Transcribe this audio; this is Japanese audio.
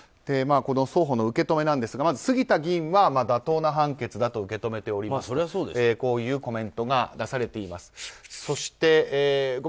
双方の受け止めですがまず杉田議員は妥当な判決だと受け止めておりますとこういうコメントが出されています。